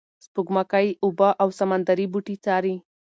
سپوږمکۍ اوبه او سمندري بوټي څاري.